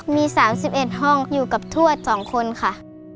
มี๓๑ห้องอยู่กับทวด๒คนค่ะ